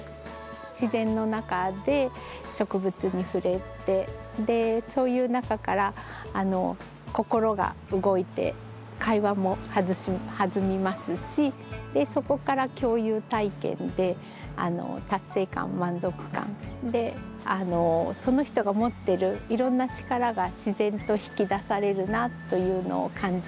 自然の中で植物にふれてでそういう中から心が動いて会話もはずみますしそこから共有体験で達成感満足感でその人が持ってるいろんな力が自然と引き出されるなというのを感じます。